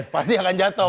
pasti akan jatuh